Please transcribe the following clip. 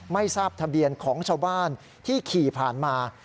ไม่ทราบทะเบียนของชาวบ้านที่ขี่ผ่านมา